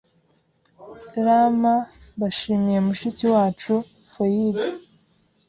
Rm mbashimiye mushiki wacu Foyibe